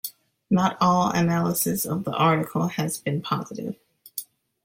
Not all analysis of the article has been positive.